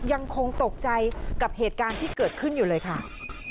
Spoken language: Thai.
ยังคงตกใจกับเหตุการณ์ที่เกิดขึ้นอยู่เลยค่ะ